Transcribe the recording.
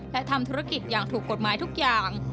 และทำธุรกิจอย่างถูกกฎหมายทุกอย่าง